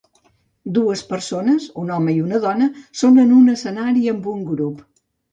Dues persones, un home i una dona, són en un escenari amb un grup.